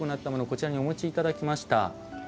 こちらにお持ちいただきました。